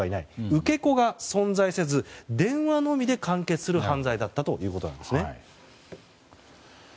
受け子が存在せず電話のみで完結する犯罪だったということなんです。